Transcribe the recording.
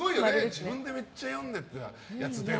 自分でめっちゃ読んでたやつ